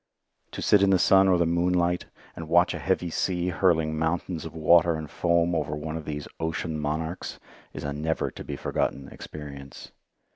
To sit in the sun or the moonlight, and watch a heavy sea hurling mountains of water and foam over one of these ocean monarchs is a never to be forgotten experience.